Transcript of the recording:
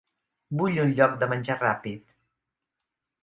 Vull un lloc de menjar ràpid.